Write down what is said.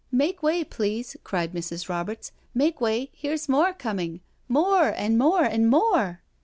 "Make way, please I" cried Mrs. Roberts, '* make way I Here's more coming— more and more and more."